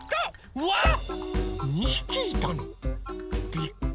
うわっ！